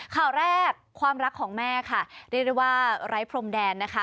ข่าวแรกความรักของแม่ค่ะเรียกได้ว่าไร้พรมแดนนะคะ